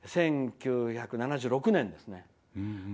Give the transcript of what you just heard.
１９７６年ですね。